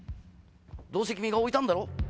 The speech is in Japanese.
どうせ君が置いたんだろ？